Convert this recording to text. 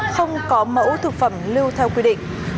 không có mẫu thực phẩm lưu theo quy định